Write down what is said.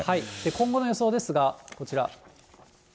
今後の予想ですが、こちら。